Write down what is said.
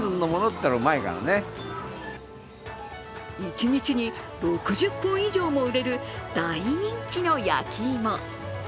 一日に６０本以上も売れる大人気の焼き芋。